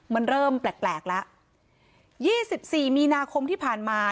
มันเริ่มแปลกแปลกแล้วยี่สิบสี่มีนาคมที่ผ่านมา